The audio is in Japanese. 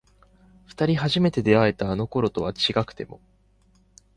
二人初めて出会えたあの頃とは違くても